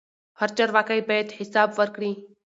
هر چارواکی باید حساب ورکړي